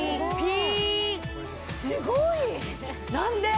すごい！何で！？